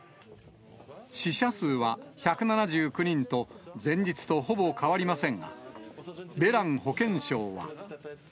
死者数は１７９人と、前日とほぼ変わりませんが、ベラン保健相は。